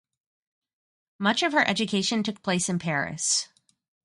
Much of her education took place in Paris.